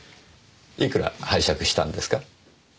いくら拝借したんですか？